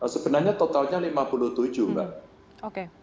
sebenarnya totalnya lima puluh tujuh mbak